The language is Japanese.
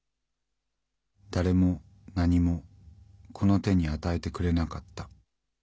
誰も何もこの手に与えてくれなかった。